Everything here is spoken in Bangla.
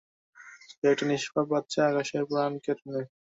সে একটা নিষ্পাপ বাচ্চা আকাশের প্রান কেড়ে নেয়।